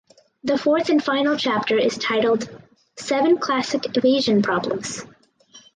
The fourth and final chapter is entitled "Seven classic evasion problems".